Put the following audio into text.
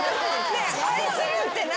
ねえ愛するって何？